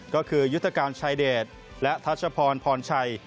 ก็คือยุทธการชายเดชและทัชพรพรชัย